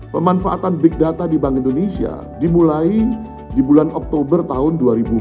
pemanfaatan big data di bank indonesia dimulai di bulan oktober tahun dua ribu empat belas